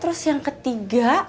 terus yang ketiga